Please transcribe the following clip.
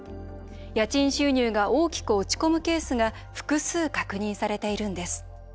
家賃収入が大きく落ち込むケースが複数、確認されているんです。